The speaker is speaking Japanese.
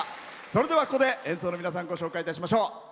それでは、ここで演奏の皆さんご紹介いたしましょう。